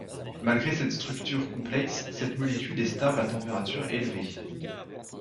Malgré cette structure complexe, cette molécule est stable à température élevée.